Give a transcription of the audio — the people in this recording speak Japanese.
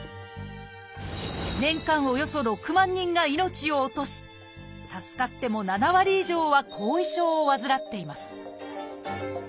年間およそ６万人が命を落とし助かっても７割以上は後遺症を患っています